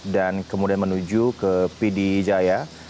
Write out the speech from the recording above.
dan kemudian menuju ke pdi jaya